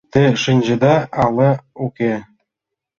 — Те шинчеда, але уке?